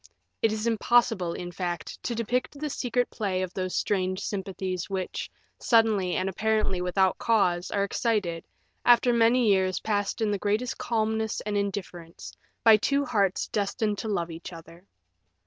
It is impossible, in fact, to depict the secret play of those strange sympathies which, suddenly and apparently without any cause, are excited, after many years passed in the greatest calmness and indifference, by two hearts destined to love each other.